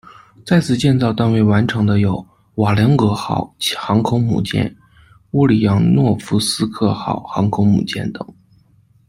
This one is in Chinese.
在此建造但未完成的有瓦良格号航空母舰、乌里杨诺夫斯克号航空母舰等。